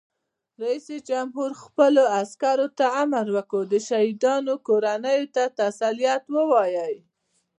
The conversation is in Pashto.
رئیس جمهور خپلو عسکرو ته امر وکړ؛ د شهیدانو کورنیو ته تسلیت ووایئ!